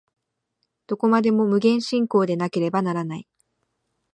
どこまでも無限進行でなければならない。